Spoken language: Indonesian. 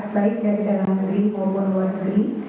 baik dari dalam negeri maupun luar negeri